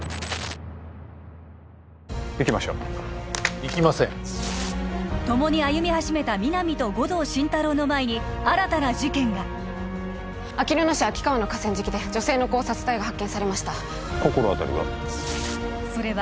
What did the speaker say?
行きましょう行きませんともに歩み始めた皆実と護道心太朗の前に新たな事件があきる野市秋川の河川敷で女性の絞殺体が発見されました